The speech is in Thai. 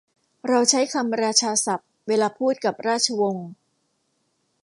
เราใช้คำราชาศัพท์ เวลาพูดกับราชวงศ์